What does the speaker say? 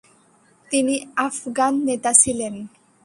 তিনি আফগান নেতা ছিলেন।